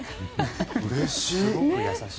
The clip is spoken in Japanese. うれしい！